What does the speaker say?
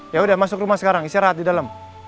yaudah masuk rumah sekarang istirahat di dalam